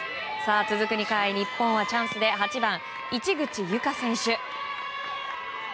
続く２回、日本はチャンスで８番、市口侑果選手。